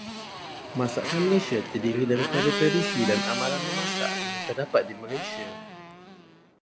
Masakan Malaysia terdiri daripada tradisi dan amalan memasak yang terdapat di Malaysia.